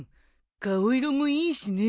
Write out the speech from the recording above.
顔色もいいしね。